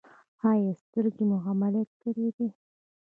ایا سترګې مو عملیات کړي دي؟